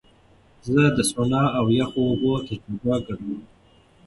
زه د سونا او یخو اوبو تجربه ګډوم.